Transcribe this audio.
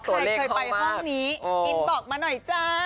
ใครเคยไปห้องนี้อินบอกมาหน่อยจ้า